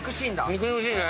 肉々しいね。